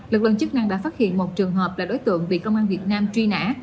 lực lượng chức năng đã phát hiện một trường hợp là đối tượng bị công an việt nam truy nã